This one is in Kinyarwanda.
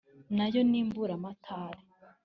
na yo ni mburamatare.